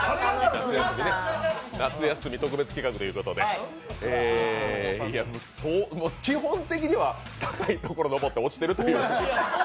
夏休み特別企画ということで、基本的には高いところに登って落ちてるという。